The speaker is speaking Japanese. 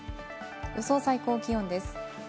予想最高気温です。